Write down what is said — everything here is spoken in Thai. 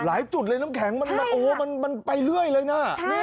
หลายจุดเลยน้ำแข็งมันไปเรื่อยเลยนะ